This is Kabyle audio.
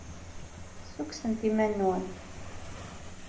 Ssukksemt iman-nwent.